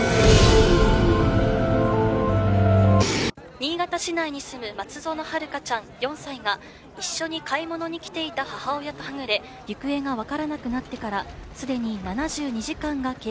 「新潟市内に住む松園遥香ちゃん４歳が一緒に買い物に来ていた母親とはぐれ行方がわからなくなってからすでに７２時間が経過しました」